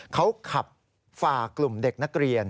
เขาขับฝ่ากลุ่มเด็กนักเรียน